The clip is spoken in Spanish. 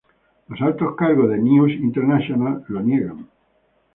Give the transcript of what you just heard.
Los altos cargos de "News International" lo niegan.